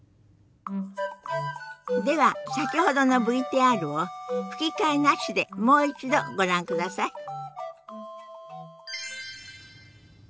では先ほどのＶＴＲを吹き替えなしでもう一度ご覧ください。